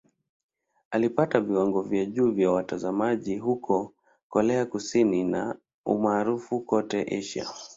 Ilipata viwango vya juu vya watazamaji huko Korea Kusini na umaarufu kote Asia.